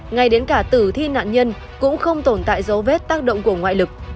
ngay đến cả tử thi nạn nhân cũng không tồn tại dấu vết tác động của ngoại lực